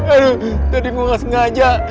aduh tadi gue nggak sengaja